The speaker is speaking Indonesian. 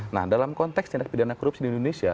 nah dalam konteks tindak pidana korupsi di indonesia